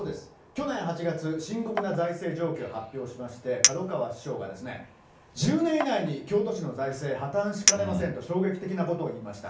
去年８月、深刻な財政状況を発表しまして、門川市長が、１０年以内に京都市の財政破綻しかねませんと衝撃的なことを言いました。